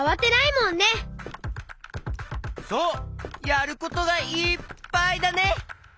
やることがいっぱいだね！